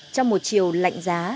trong một chiều lạnh giá